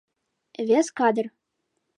Вес кадр.